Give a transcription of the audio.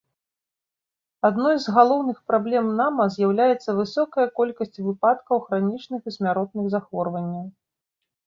Адной з галоўных праблем нама з'яўляецца высокая колькасць выпадкаў хранічных і смяротных захворванняў.